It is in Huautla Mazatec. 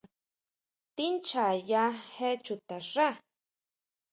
¿Tíʼnchjaya je chuta xá?